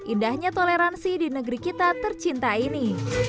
indahnya toleransi di negeri kita tercinta ini